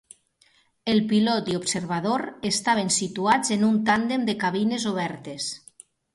El pilot i observador estaven situats en un tàndem de cabines obertes.